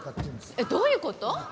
えっどういう事？